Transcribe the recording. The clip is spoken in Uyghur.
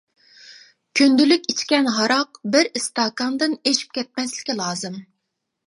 كۈندىلىك ئىچكەن ھاراق بىر ئىستاكاندىن ئېشىپ كەتمەسلىكى لازىم.